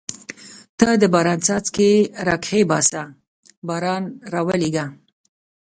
ته د باران څاڅکي را کښېباسه باران راولېږه.